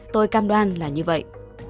tôi cam đoan là như vậy